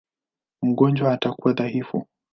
Mgonjwa atakuwa dhaifu.